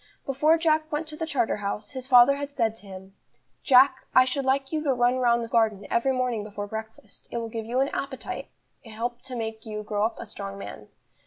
Before Jack went to the Charterhouse, his father had said to him: "Jack, I should like you to run round the school garden every morning before breakfast, it will give you an appetite and help to make you grow up a strong man."